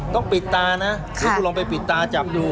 ต้องปิดตานะหรือคุณลองไปปิดตาจับดู